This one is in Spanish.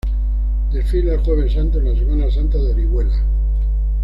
Desfila el Jueves Santo en la Semana Santa de Orihuela.